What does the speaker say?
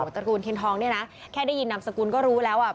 ตระกูลเทียนทองเนี่ยนะแค่ได้ยินนามสกุลก็รู้แล้วอ่ะ